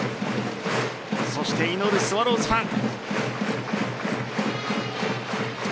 そして祈るスワローズファン。